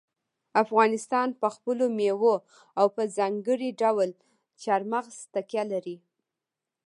افغانستان په خپلو مېوو او په ځانګړي ډول چار مغز تکیه لري.